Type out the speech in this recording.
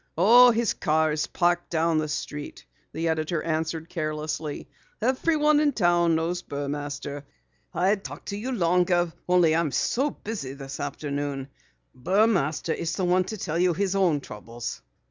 "Oh, his car is parked down the street," the editor answered carelessly. "Everyone in town knows Burmaster. I'd talk to you longer only I'm so busy this afternoon. Burmaster is the one to tell you his own troubles."